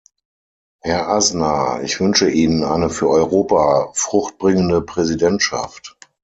Herr Aznar, ich wünsche Ihnen eine für Europa fruchtbringende Präsidentschaft.